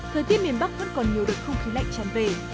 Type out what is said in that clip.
thời tiết miền bắc vẫn còn nhiều đợt không khí lạnh tràn về